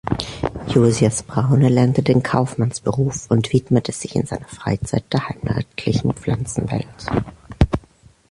Josias Braun erlernte den Kaufmannsberuf und widmete sich in seiner Freizeit der heimatlichen Pflanzenwelt.